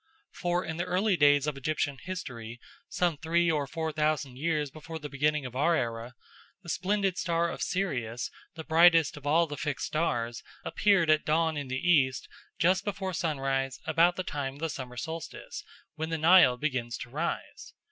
For in the early days of Egyptian history, some three or four thousand years before the beginning of our era, the splendid star of Sirius, the brightest of all the fixed stars, appeared at dawn in the east just before sunrise about the time of the summer solstice, when the Nile begins to rise.